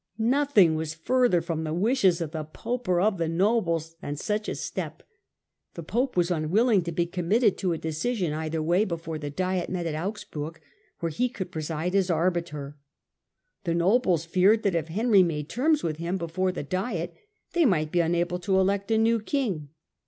Nothing was further from the wishes of the pope or of the nobles than such a step. The pope was unwilling to be committed to a decision either way' before the diet met at Augsburg, where he could preside as arbiter ; the nobles feared that, if Henry made terms with him before the diet, they might be unable to elect a new king.